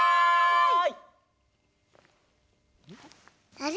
あれ？